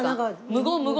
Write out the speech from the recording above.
無言無言。